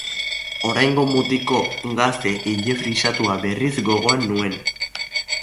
Oraingo mutiko gazte ile-frisatua, berriz, gogoan nuen.